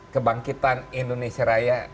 kebangkitan indonesia raya